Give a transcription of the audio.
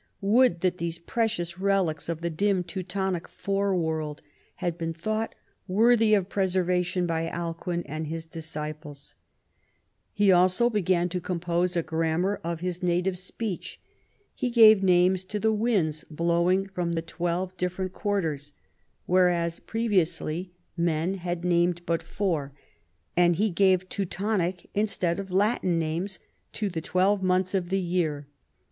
"Woidd that these precious relics of the dim Teutonic fore world had been thought worthy of preservation by Alcuin and his disciples ! lie also began to compose a grammar of his native speech ; he gave names to the winds blowing from twelve different quarters, whereas previously men had named but four ; and he gave Teutonic instead of Latin names to the twelve months of the year.